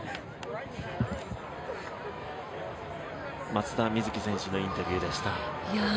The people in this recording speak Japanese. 松田瑞生選手のインタビューでした。